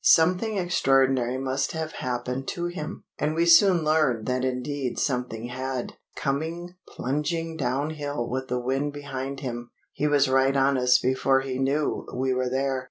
Something extraordinary must have happened to him, and we soon learned that indeed something had. Coming plunging downhill with the wind behind him, he was right on us before he knew we were there.